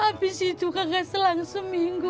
abis itu kagak selang seminggu